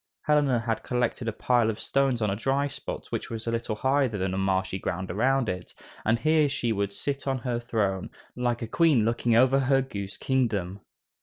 Helena had collected a pile of stones on a dry spot which was a little higher than the marshy ground around it, and here she would sit on her throne, like a queen looking over her goose kingdom.